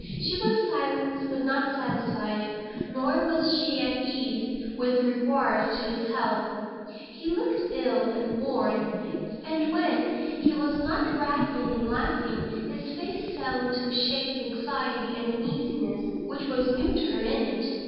She was silenced, but not satisfied. Nor was she at ease with regard to his health. He looked ill, and worn; and, when he was not rattling and laughing, his face fell into a shape of anxiety and uneasiness, which was new to her in it.